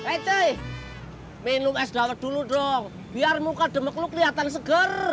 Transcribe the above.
eh coy minum es dawet dulu dong biar muka demek lo kelihatan segar